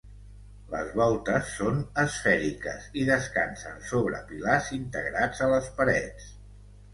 Les voltes són esfèriques i descansen sobre pilars integrats a les parets.